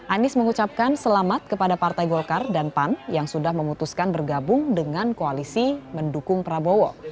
anies mengucapkan selamat kepada partai golkar dan pan yang sudah memutuskan bergabung dengan koalisi mendukung prabowo